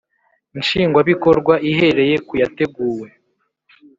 Nshingwabikorwa ihereye ku yateguwe